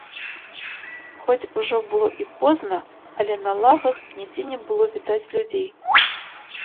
Хоць ужо было і позна, але на лагах нідзе не было відаць людзей.